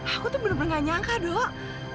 aku tuh bener bener gak nyangka dok